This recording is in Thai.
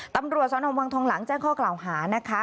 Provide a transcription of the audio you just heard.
ตำรวจสนวังทองหลังแจ้งข้อกล่าวหานะคะ